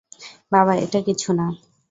বাবা-- -এটা কিছু না।